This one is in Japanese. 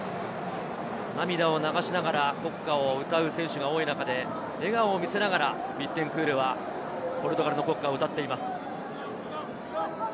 涙を流しながら国歌を歌う選手が多い中で、笑顔を見せながらビッテンクールはポルトガルの国歌を歌っています。